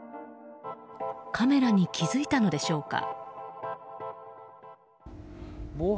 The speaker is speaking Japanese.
カメラに気付いたのでしょうか。